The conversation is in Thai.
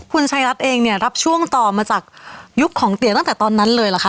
คุณชัยรัฐเองเนี่ยรับช่วงต่อมาจากยุคของเตี๋ยตั้งแต่ตอนนั้นเลยเหรอคะ